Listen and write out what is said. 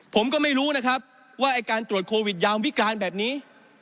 ผมก็ไม่รู้นะครับว่าไอ้การตรวจโควิดยามวิการแบบนี้